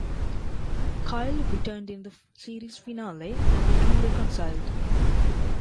Kyle returned in the series finale and the two reconciled.